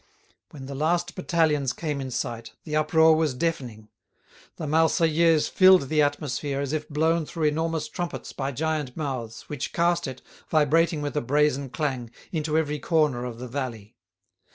When the last battalions came in sight the uproar was deafening. The "Marseillaise" filled the atmosphere as if blown through enormous trumpets by giant mouths, which cast it, vibrating with a brazen clang, into every corner of the valley.